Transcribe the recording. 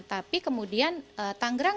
tapi kemudian tanggerang adalah kota yang dinamis